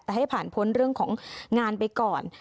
แต่ให้ผ่านพ้นเรื่องของงานไปก่อน